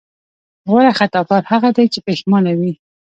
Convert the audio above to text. غوره خطاکار هغه دی چې پښېمانه وي.